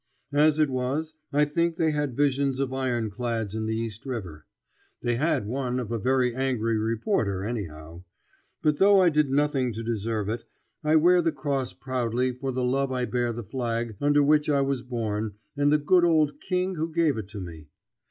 As it was, I think they had visions of ironclads in the East River. They had one of a very angry reporter, anyhow. But though I did nothing to deserve it, I wear the cross proudly for the love I bear the flag under which I was born and the good old King who gave it to me.